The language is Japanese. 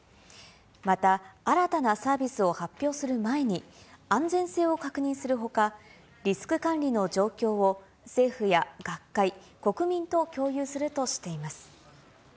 また新たなサービスを発表する前に、安全性を確認するほか、リスク管理の状況を政府や学会、国民と共有するとしています。